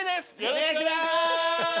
お願いします！